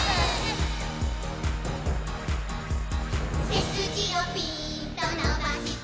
「せすじをピーンとのばして」